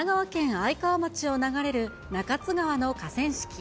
愛川町を流れる中津川の河川敷。